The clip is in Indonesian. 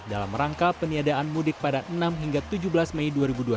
dalam rangka peniadaan mudik pada enam hingga tujuh belas mei dua ribu dua puluh